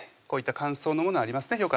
こういった乾燥のものありますね